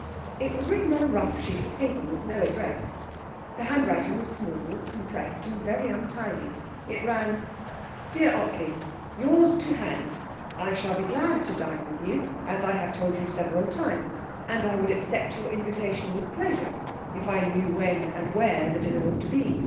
It was written on a rough sheet of paper, with no address. The handwriting was small, compressed, and very untidy. It ran. 'DEAR OTTLEY, 'Y'rs to hand. I shall be glad to dine with you, as I have told you several times, and I would accept your invitation with pleasure if I knew when and where the dinner was to be.